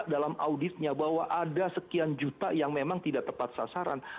dalam auditnya bahwa ada sekian juta yang memang tidak tepat sasaran